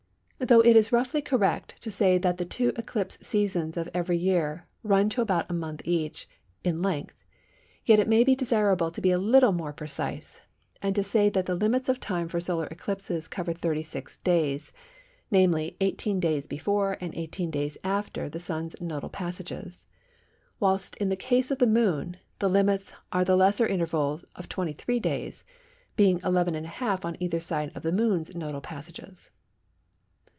Though it is roughly correct to say that the two eclipse seasons of every year run to about a month each, in length, yet it may be desirable to be a little more precise, and to say that the limits of time for solar eclipses cover 36 days (namely 18 days before and 18 days after the Sun's nodal passages); whilst in the case of the Moon, the limits are the lesser interval of 23 days, being 11½ on either side of the Moon's nodal passages.